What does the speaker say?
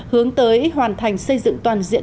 hướng tới hoàn thành xây dựng toàn diện